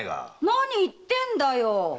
何言ってんだよ。